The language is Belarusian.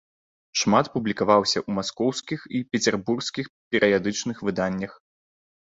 Шмат публікаваўся ў маскоўскіх і пецярбургскіх перыядычных выданнях.